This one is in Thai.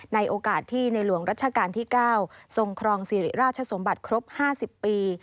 ในโอกาสที่ในหลวงรัชกาลที่๙ทรงครองสิริราชสมบัติครบ๕๐ปี